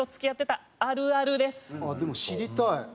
でも知りたい！